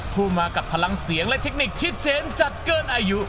ผู้มากับพลังเสียงและเทคนิคที่เจนจัดเกินอายุ